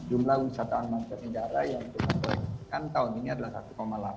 jumlah wisatawan masyarakat negara yang kita kolektifkan tahun ini adalah satu delapan